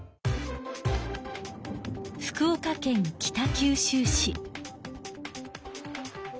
福岡県北九州市。